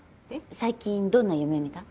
最近どんな夢見た？